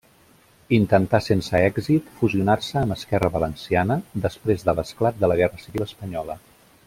Intentà sense èxit fusionar-se amb Esquerra Valenciana després de l'esclat de la Guerra Civil espanyola.